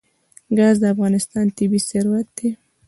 ګاز د افغانستان طبعي ثروت دی.